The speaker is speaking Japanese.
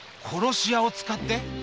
殺し屋を使って！？